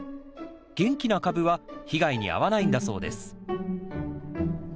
元気な株は被害に遭わないんだそうです。